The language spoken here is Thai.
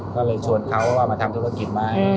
ก็เลยชวนเขาว่ามาทำธุรกิจไหม